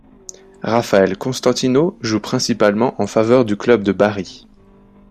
Raffaele Costantino joue principalement en faveur du club de Bari.